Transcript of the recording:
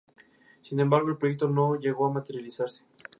Vivió durante este periodo en la calle de Atocha.